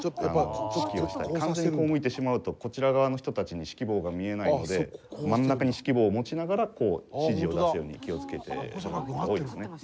完全にこう向いてしまうとこちら側の人たちに指揮棒が見えないので真ん中に指揮棒を持ちながらこう指示を出すように気をつけている事が多いですね。